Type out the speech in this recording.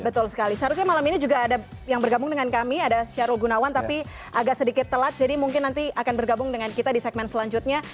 betul sekali seharusnya malam ini juga ada yang bergabung dengan kami ada syarul gunawan tapi agak sedikit telat jadi mungkin nanti akan bergabung dengan kita di segmen selanjutnya